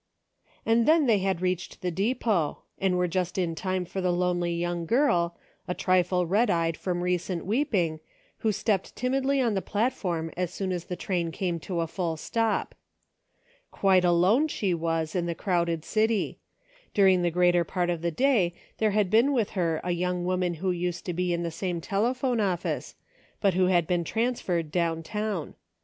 AND then they had reached the depot, and were just in time for the lonely young girl, a trifle red eyed from recent weeping, who stepped timidly on the platform as soon as the train came to a full stop. Quite alone, she was, in the crowded city, Dur ing the greater part of the day there had been with her a young woman who used to be in the same telepnone office, but who had been trans ferred down town.